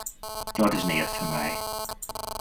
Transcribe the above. Dat is neat foar my.